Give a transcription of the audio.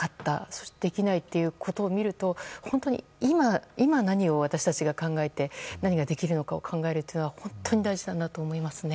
そしてできないということを見ると本当に今、何を私たちが考えて何ができるのかを考えるのは本当に大事だと思いますね。